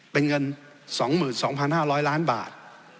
เป็นเงินสองหมื่นสองพันห้าร้อยล้านบาท